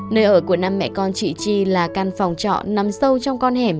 nơi ở của năm mẹ con chị chi là căn phòng trọ nằm sâu trong con hẻm